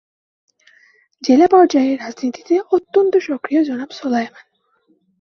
জেলা পর্যায়ে রাজনীতিতে অত্যন্ত সক্রিয় জনাব সোলায়মান।